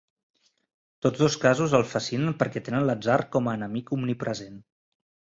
Tots dos casos el fascinen perquè tenen l'atzar com a enemic omnipresent.